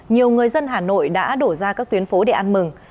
nhiều người dân hà nội đã đổ ra các tuyến phố để ăn mừng